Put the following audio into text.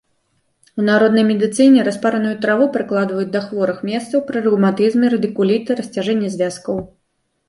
У народнай медыцыне распараную траву прыкладваюць да хворых месцаў пры рэўматызме, радыкуліце, расцяжэнні звязкаў.